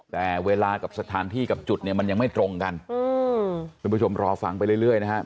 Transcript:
แต่เวลากับสถานที่กับจุดเนี่ยมันยังไม่ตรงกันคุณผู้ชมรอฟังไปเรื่อยนะครับ